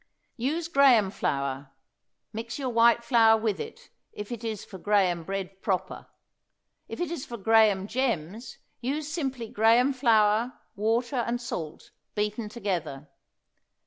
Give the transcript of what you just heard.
Use graham flour; mix your white flour with it, if it is for graham bread proper; if it is for graham gems use simply graham flour, water and salt, beaten together.